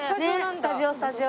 スタジオスタジオ。